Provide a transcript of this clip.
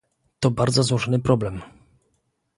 To bardzo złożony problem